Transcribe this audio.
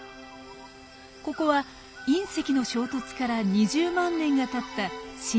ここは隕石の衝突から２０万年がたった新生代。